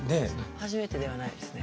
初めてではないですね。